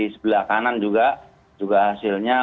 sebelah kanan juga hasilnya